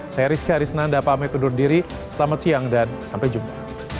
saya rizky harisnanda pamit undur diri selamat siang dan sampai jumpa